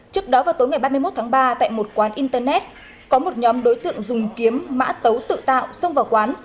trước đó vào tối ngày ba mươi một tháng ba tại một quán internet có một nhóm đối tượng dùng kiếm mã tấu tự tạo xông vào quán